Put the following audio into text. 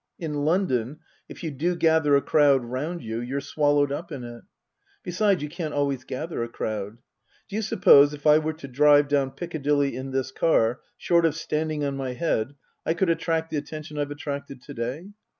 In London, if you do gather a crowd round you, you're swallowed up in it. Besides, you can't always gather a crowd. D'you suppose, if I were to drive down Piccadilly in this car short of standing on my head I could attract the attention I've attracted to day